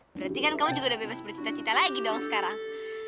berarti kan kamu juga udah bebas bercita cita lagi dong sekarang